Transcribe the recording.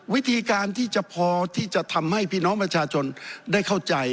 วิธีการที่จะพอที่จะทำให้พี่น้องประชาชนได้เข้าใจ